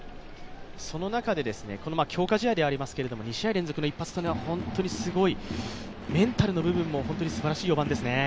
その中で強化試合ではありますけど、２試合連続の一発というのも本当にすごい、メンタルの部分も本当にすばらしい４番ですね。